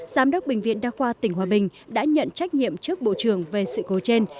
giám đốc bệnh viện đa khoa tỉnh hòa bình đã nhận trách nhiệm trước bộ trưởng về sự cố trên